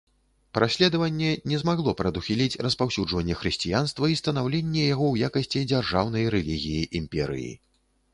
Праследаванне не змагло прадухіліць распаўсюджванне хрысціянства і станаўленне яго ў якасці дзяржаўнай рэлігіі імперыі.